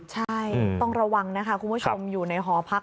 ใช่ต้องระวังนะคะคุณผู้ชมอยู่ในหอพัก